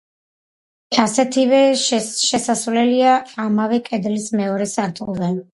ასეთივე შესასვლელია ამავე კედლის მეორე სართულზე.